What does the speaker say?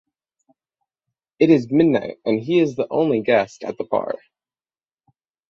It is midnight and he is the only guest at the bar.